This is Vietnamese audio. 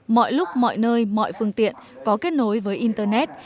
mọi lúc mọi nơi mọi phương tiện có kết nối với internet